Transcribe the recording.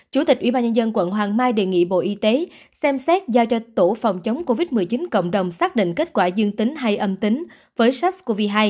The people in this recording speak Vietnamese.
chủ tịch ubnd quận hoàng mai đề nghị bộ y tế xem xét giao cho tổ phòng chống covid một mươi chín cộng đồng xác định kết quả dương tính hay âm tính với sars cov hai